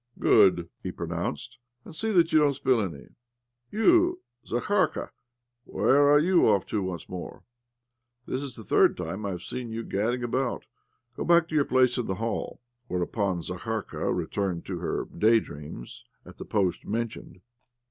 " Good !" he pronounced. " And see that you don't spill any. You, Zakharka— where are you off to once more? This is the thirid time I have seen you gadding about. Go back to your place in the hall." Whereupon Zakharka returned to her day dreams at the post mentioned.